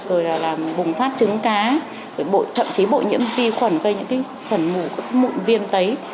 rồi là bùng phát chứng cá thậm chí bội nhiễm vi khuẩn gây những cái sần mụn viêm tấy